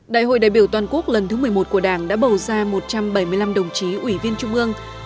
đại hội đại biểu toàn quốc lần thứ một mươi một của đảng đã bầu ra một trăm bảy mươi năm đồng chí ủy viên trung ương